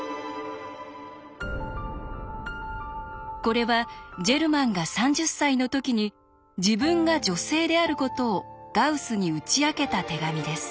これはジェルマンが３０歳の時に自分が女性であることをガウスに打ち明けた手紙です。